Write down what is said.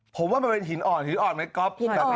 ผมว่ามันเป็นหินอ่อนหินอ่อนไหมก๊อบ